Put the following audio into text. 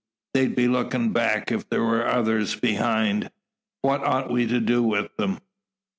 They'd be looking back if there were others behind. What ought we to do with them?"